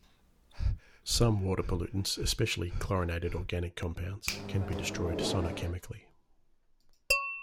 Some water pollutants, especially chlorinated organic compounds, can be destroyed sonochemically.